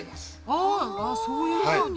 あそういうふうに。